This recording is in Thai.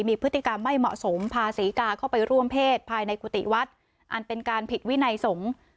มีพฤติกรรมไม่เหมาะสมพาศรีกาเข้าไปร่วมเพศภายในกุฏิวัดอันเป็นการผิดวินัยสงฆ์